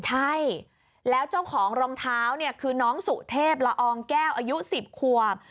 ใช่แล้วเจ้าของรองเท้าเนี่ยคือน้องสุเทพละอองแก้วอายุ๑๐ขวบ